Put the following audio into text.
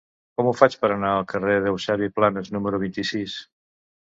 Com ho faig per anar al carrer d'Eusebi Planas número vint-i-sis?